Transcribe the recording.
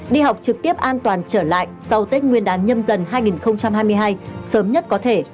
đi học trực tiếp an toàn trở lại sau tết nguyên đán nhâm dần hai nghìn hai mươi hai sớm nhất có thể